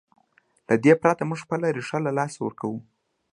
له دې پرته موږ خپله ریښه له لاسه ورکوو.